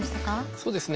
そうですね。